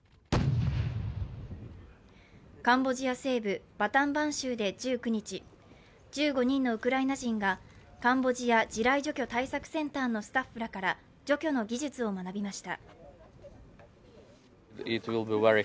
カンボジア西部バタンバン州で１９日、１５人のウクライナ人がカンボジア地雷除去対策センターのスタッフらから除去の技術を学びました。